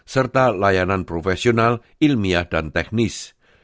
serta layanan profesional ilmiah dan teknis